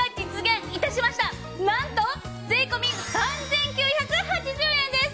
なんと税込３９８０円です！